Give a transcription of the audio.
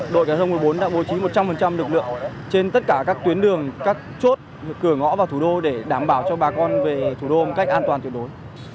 đội giải thông một mươi bốn đã bố trí một trăm linh lực lượng trên tất cả các tuyến đường các chốt cửa ngõ vào thủ đô để đảm bảo cho bà con về thủ đô một cách an toàn tuyệt đối